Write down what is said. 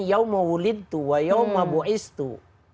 hari senen itu adalah hari kelahiranku